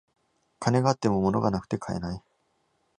金があっても物がなくて買えない